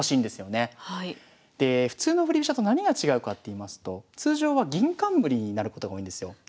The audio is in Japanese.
で普通の振り飛車と何が違うかっていいますと通常は銀冠になることが多いんですよ。